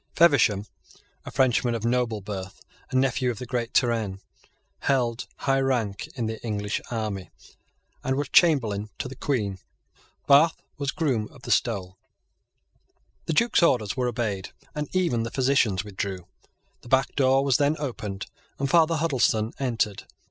Feversham, a Frenchman of noble birth, and nephew of the great Turenne, held high rank in the English army, and was Chamberlain to the Queen. Bath was Groom of the Stole. The Duke's orders were obeyed; and even the physicians withdrew. The back door was then opened; and Father Huddleston entered.